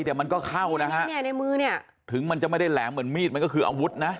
ตะใบมันก็เข้านะฮะถึงมันจะไม่ได้แหลมเหมือนมีดมันก็คืออาวุธนะ